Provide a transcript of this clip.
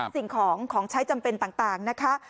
สิ่งของของใช้จำเป็นต่างนะคะ